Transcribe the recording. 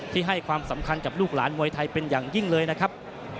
ให้ความสำคัญกับลูกหลานมวยไทยเป็นอย่างยิ่งเลยนะครับ